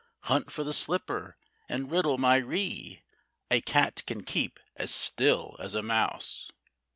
Hunt for the Slipper! and riddle my ree! A cat can keep as still as a mouse.